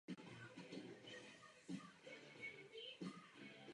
Nastupoval většinou na postu obránce.